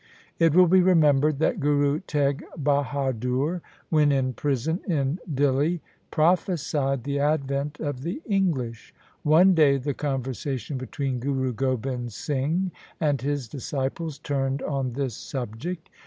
It will be remembered that Guru Teg Bahadur, LIFE OF GURU GOBIND SINGH 107 when in prison in Dihli, prophesied the advent of the English. One day the conversation between Guru Gobind Singh and his disciples turned on this subject.